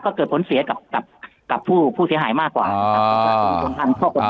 ก็เกิดผลเสียกับกับกับผู้สีหายมากกว่าอ่า